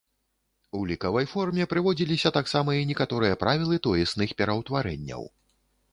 У лікавай форме прыводзіліся таксама і некаторыя правілы тоесных пераўтварэнняў.